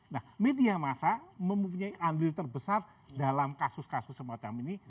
nah media masa mempunyai andil terbesar dalam kasus kasus semacam ini